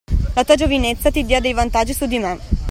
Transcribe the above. La tua giovinezza ti dia dei vantaggi su di me.